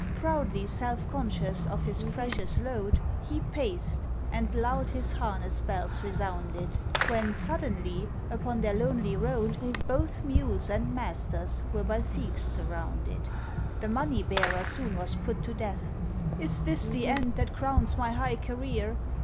Proudly self conscious of his precious load, He paced, and loud his harness bells resounded; When suddenly upon their lonely road, Both Mules and masters were by thieves surrounded. The money bearer soon was put to death: "Is this the end that crowns my high career?